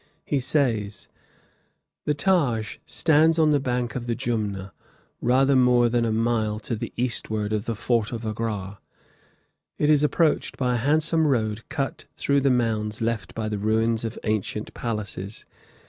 He says: "The Taj stands on the bank of the Jumna, rather more than a mile to the eastward of the Fort of Agra. It is approached by a handsome road cut through the mounds left by the ruins of ancient palaces.